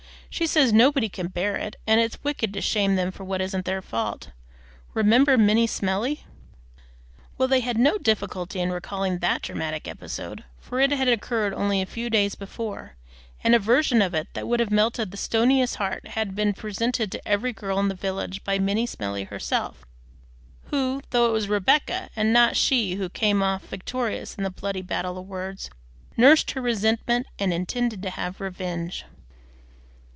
She says nobody can bear it, and it's wicked to shame them for what isn't their fault. Remember Minnie Smellie!" Well, they had no difficulty in recalling that dramatic episode, for it had occurred only a few days before; and a version of it that would have melted the stoniest heart had been presented to every girl in the village by Minnie Smellie herself, who, though it was Rebecca and not she who came off victorious in the bloody battle of words, nursed her resentment and intended to have revenge.